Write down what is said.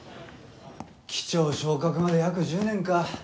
機長昇格まで約１０年か。